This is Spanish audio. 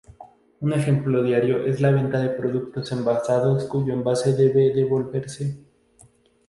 Un ejemplo diario es la venta de productos envasados cuyo envase debe devolverse.